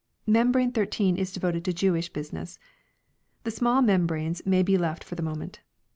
Membrane 13 is devoted to Jewish business. The small membranes may be left for the moment.